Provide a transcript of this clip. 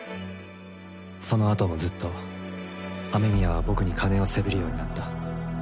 そのあともずっと雨宮は僕に金をせびるようになった。